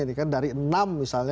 ini kan dari enam misalnya